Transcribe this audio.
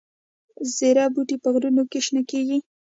زیره بوټی په غرونو کې شنه کیږي؟